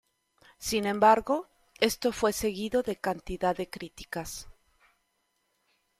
Sin embargo, esto fue seguido de cantidad de críticas.